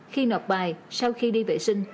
khi nộp bài sau khi đi vệ sinh